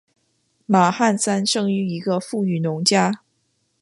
马汉三生于一个富裕农家。